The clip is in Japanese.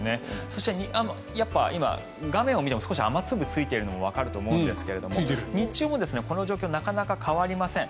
そして、やっぱり今、画面を見ても少し雨粒がついているのがわかると思うんですが日中もこの状況なかなか変わりません。